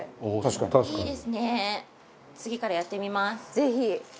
ぜひ。